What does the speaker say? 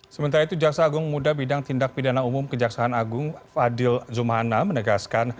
sementara itu jaksa agung muda bidang tindak pidana umum kejaksaan agung fadil zumana menegaskan